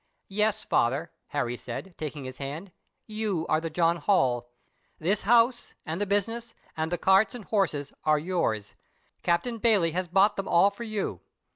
"Yes, father," Harry said, taking his hand, "you are the John Holl. This house, and the business, and the carts and horses are yours; Captain Bayley has bought them all for you.